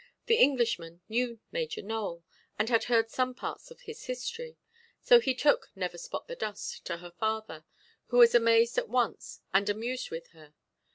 The Englishman knew Major Nowell, and had heard some parts of his history; so he took "Never–spot–the–dust" to her father, who was amazed at once and amused with her.